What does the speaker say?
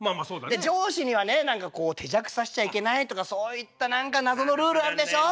で上司にはね何かこう手酌させちゃいけないとかそういった何か謎のルールあるでしょ？